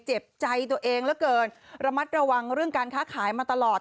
เจ็บใจตัวเองเหลือเกินระมัดระวังเรื่องการค้าขายมาตลอด